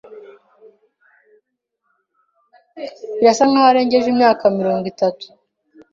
Birasa nkaho arengeje imyaka mirongo itatu.